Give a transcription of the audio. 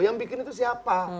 yang bikin itu siapa